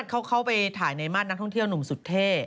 เขาเข้าไปถ่ายในมาตรนักท่องเที่ยวหนุ่มสุดเท่